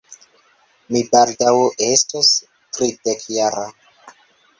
Mi baldaŭ estos tridekjara.